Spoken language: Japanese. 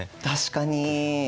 確かに。